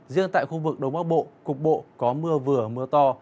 riêng tại khu vực đông bắc bộ cục bộ có mưa vừa mưa to